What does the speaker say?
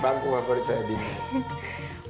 bangku favorit saya bintanya